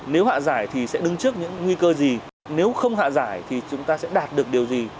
nếu hạ giải thì sẽ đứng trước những nguy cơ gì nếu không hạ giải thì chúng ta sẽ đạt được điều gì